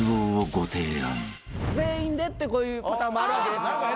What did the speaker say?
全員でってこういうパターンもあるわけです。